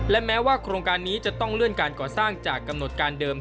และแม้ว่าโครงการนี้จะต้องเลื่อนการก่อสร้างจากกำหนดการเดิม